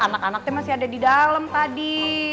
anak anaknya masih ada di dalam tadi